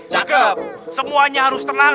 cakep semuanya harus tenang